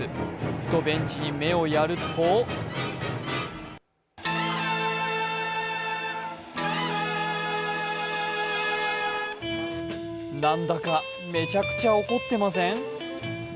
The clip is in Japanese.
ふとベンチに目をやると何だかめちゃくちゃ怒っていません？